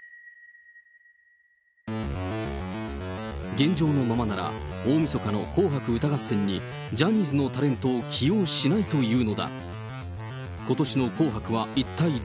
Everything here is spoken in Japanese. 現状のままなら、大みそかの紅白歌合戦にジャニーズのタレントを起用しないというのだ。